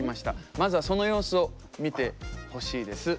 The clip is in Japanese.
まずはその様子を見てほしいです。